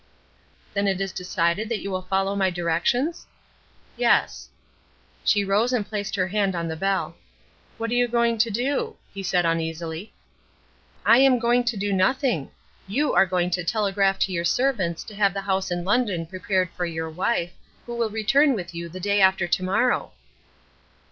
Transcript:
"Then it is decided that you follow my directions?" "Yes." She rose and placed her hand on the bell. "What are you going to do?" he said uneasily. "I am going to do nothing. You are going to telegraph to your servants to have the house in London prepared for your wife, who will return with you the day after to morrow."